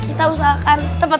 kita usahakan cepat